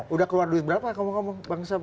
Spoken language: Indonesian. udah keluar duit berapa kamu kamu bangsa